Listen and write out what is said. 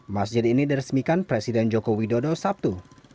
masjid ini diresmikan presiden joko widodo sabtu